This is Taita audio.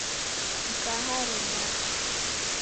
Mka Haron wacha.